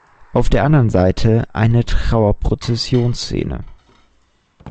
Auf der anderen Seite eine Trauer-Prozessionszene.